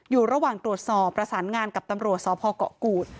อยู่ระหว่างตรวจสอบประสานงานกับตำรวจสพเกาะกูด